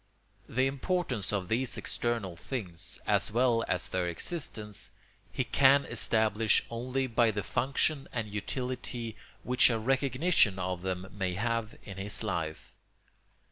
The importance of these external things, as well as their existence, he can establish only by the function and utility which a recognition of them may have in his life.